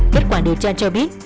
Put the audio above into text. kết quả điều tra cho biết